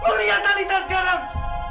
mulia talitha sekarang